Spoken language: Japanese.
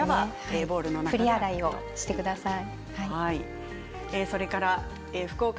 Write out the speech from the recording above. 振り洗いをしてください。